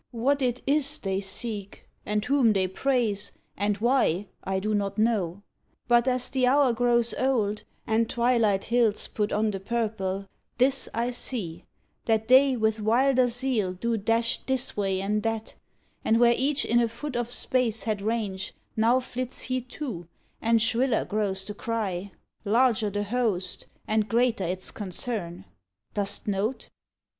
What it is they seek And whom they praise, and why, I do not know; But as the hour grows old, and twilight hills Put on the purple, this I see — that they With wilder zeal do dash this way and that, And where each in a foot of space had range, Now flits he two, and shriller grows the cry. 124 'THE MIDGES Larger the host, and greater its concern. Dost note'?"